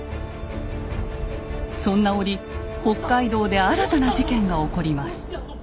そんな折北海道で新たな事件が起こります。